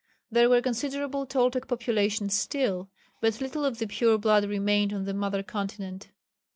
There were considerable Toltec populations still, but little of the pure blood remained on the mother continent.